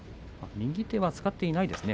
右手は使っていないですね。